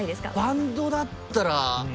バンドだったら。